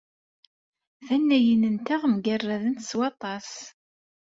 Tannayin-nteɣ mgerradent s waṭas.